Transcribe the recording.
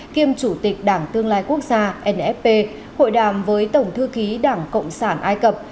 kiêm chủ tịch đảng tương lai quốc gia nfp hội đàm với tổng thư ký đảng cộng sản ai cập